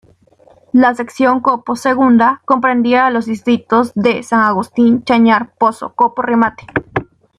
La Sección Copo Segunda comprendía los distritos de: San Agustín, Chañar, Pozo, Copo, Remate.